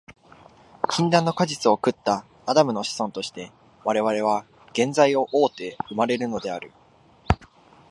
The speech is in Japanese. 禁断の果実を食ったアダムの子孫として、我々は原罪を負うて生まれるのである。